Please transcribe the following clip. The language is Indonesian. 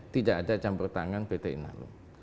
tidak ada campur tangan pt inalum